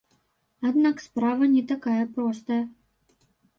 Аднак справа не такая простая.